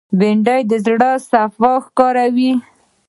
بېنډۍ د زړه صفا ښکاروي